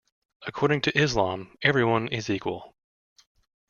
According to Islam everyone is equal...